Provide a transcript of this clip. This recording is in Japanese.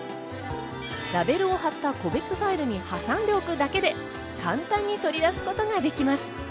ラベルを貼った個別ファイルに挟んでおくだけで簡単に取り出すことができます。